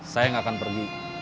saya enggak akan pergi